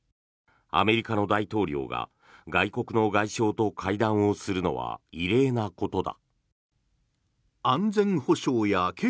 アメリカの大統領が外国の外相と会談をするのは異例なことだ。